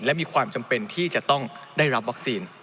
และมีความจำเป็นที่จะต้องได้รับวัคซีน